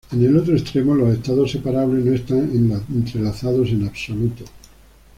En el otro extremo, los estados separables no están entrelazados en absoluto.